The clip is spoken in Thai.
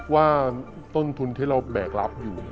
ว่าต้นทุนที่เราแบกรับอยู่